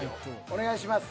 お願いします。